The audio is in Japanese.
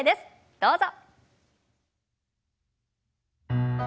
どうぞ。